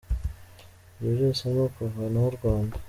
Ibyo byose ni ukuvanaho u Rwanda.